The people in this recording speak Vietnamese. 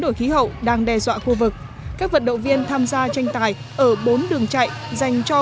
đổi khí hậu đang đe dọa khu vực các vận động viên tham gia tranh tài ở bốn đường chạy dành cho